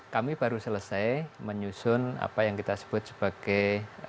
kami baru selesai menyusun apa yang kita sebut sebagai